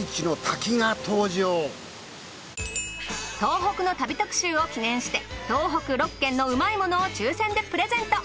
東北の旅特集を記念して東北６県のうまいものを抽選でプレゼント！